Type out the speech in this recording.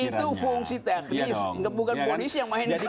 polisi itu fungsi teknis bukan polisi yang memainkan